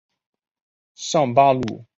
上巴鲁是巴西巴伊亚州的一个市镇。